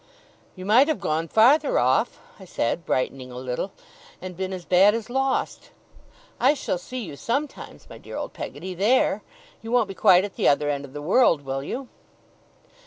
'You might have gone farther off,' I said, brightening a little, 'and been as bad as lost. I shall see you sometimes, my dear old Peggotty, there. You won't be quite at the other end of the world, will you?